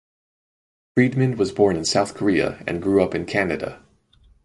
Friedman was born in South Korea and grew up in Canada.